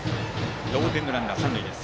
同点のランナー、三塁です。